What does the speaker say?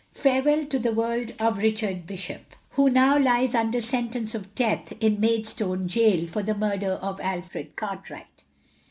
FAREWELL TO THE WORLD OF RICHARD BISHOP, _Who now lies under sentence of Death in Maidstone Gaol, For the Murder of Alfred Cartwright.